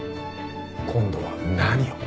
今度は何を？